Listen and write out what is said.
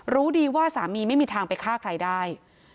รู้ดีว่าสามีไม่มีทางไปฆ่าใครได้